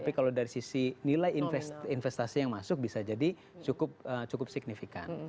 tapi kalau dari sisi nilai investasi yang masuk bisa jadi cukup signifikan